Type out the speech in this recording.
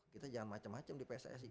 kita jangan macam macam di pssi